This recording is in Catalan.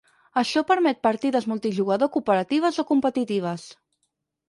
Això permet partides multijugador cooperatives o competitives.